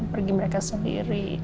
pergi mereka sendiri